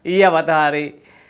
iya pak tuhari